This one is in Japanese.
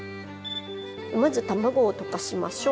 まず卵を溶かしましょう